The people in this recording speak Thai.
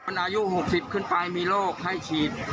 คนอายุหกสิบขึ้นไปมีโรคให้ฉีด